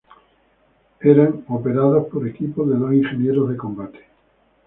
Eran operados por equipos de dos ingenieros de combate.